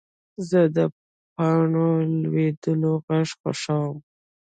زه د پاڼو لوېدو غږ خوښوم.